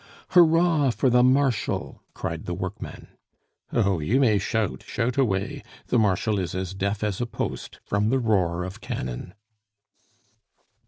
"Hurrah for the Marshal!" cried the workman. "Oh, you may shout shout away! The Marshal is as deaf as a post from the roar of cannon."